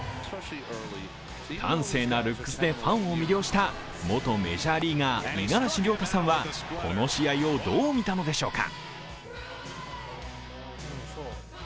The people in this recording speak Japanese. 端正なルックスでファンを魅了した元メジャーリーガー五十嵐亮太さんは、この試合をどう見たのでしょうか。